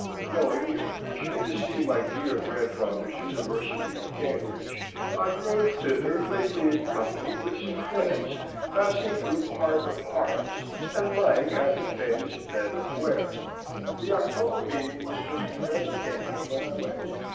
"Knowing you would wish me to see my dear Grandfathers University of Cambridge, I rode thither lately in company with some friends, passing through part of Harts, and lying at the famous bed of Ware. The October meeting was just begun at Cambridge when I went.